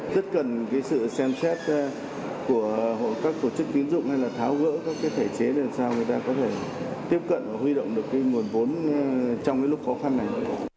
rất cần sự xem xét của các tổ chức tín dụng hay là tháo gỡ các cái thể chế để làm sao người ta có thể tiếp cận và huy động được cái nguồn vốn trong cái lúc khó khăn này